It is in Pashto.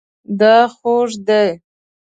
دا خوږ دی